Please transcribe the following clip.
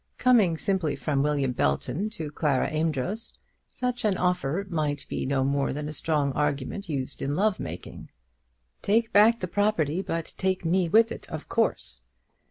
Coming simply from William Belton to Clara Amedroz, such an offer might be no more than a strong argument used in love making. "Take back the property, but take me with it, of course."